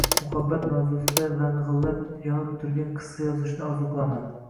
Muhabbat mavzusida lang‘illab yonib turgan qissa yozishni orzu qilaman